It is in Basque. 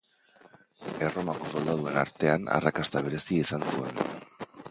Erromako soldaduen artean arrakasta berezia izan zuen.